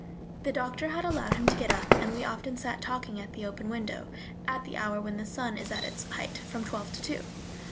The doctor had allowed him to get up, and we often sat talking at the open window, at the hour when the sun is at its height, from twelve to two.